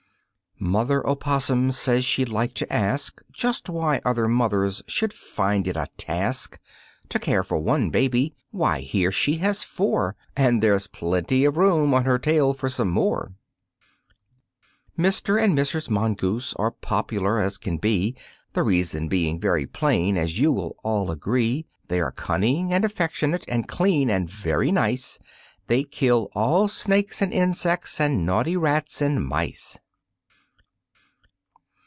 Mother opossum says she'd like to ask Just why other mothers should find it a task To care for one baby. Why, here she has four, And there's plenty of room on her tail for some more! Mr. and Mrs. Mongoose are popular as can be, The reason being very plain, as you will all agree, They are cunning and affectionate and clean and very nice, They kill all snakes and insects and naughty rats and mice.